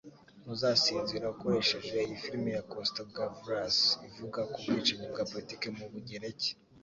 ntuzasinzira ukoresheje iyi filime ya Costa-Gavras ivuga ku bwicanyi bwa politiki mu Bugereki